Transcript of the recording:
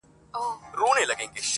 نن څراغه لمبې وکړه پر زړګي مي ارمانونه.